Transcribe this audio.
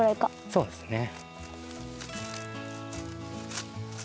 そうですね。